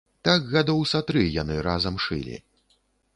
Так гадоў са тры яны разам шылі.